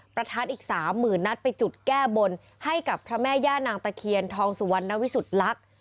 ประทัดอีก๓๐๐๐นัดไปจุดแก้บนให้กับพระแม่ย่านางตะเคียนทองสุวรรณวิสุทธิลักษณ์